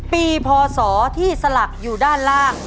พศที่สลักอยู่ด้านล่าง